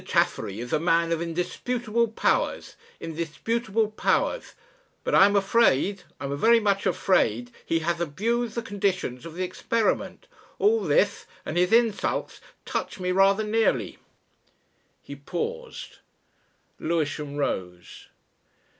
Chaffery is a man of indisputable powers indisputable powers; but I am afraid I am very much afraid he has abused the conditions of the experiment. All this and his insults touch me rather nearly." He paused. Lewisham rose.